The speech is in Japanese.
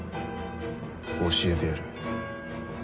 教えてやる。